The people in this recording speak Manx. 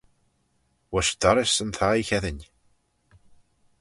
Voish dorrys yn thie cheddin.